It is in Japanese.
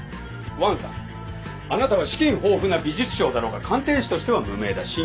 王さんあなたは資金豊富な美術商だろうが鑑定士としては無名だ。